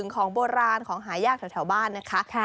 ของโบราณของหายากแถวบ้านนะคะ